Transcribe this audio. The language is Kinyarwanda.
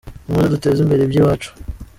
Ni muze duteze imbere ibyiwacu.